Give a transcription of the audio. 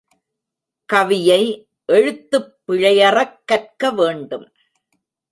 கவியை எழுத்துப் பிழையறக் கற்க வேண்டும்.